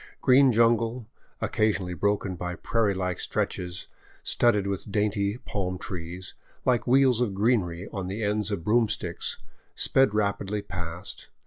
Green jungle, occasionally broken by prairie like stretches studded with dainty palm trees, like wheels of greenery on the ends of broomsticks, sped rapidly past.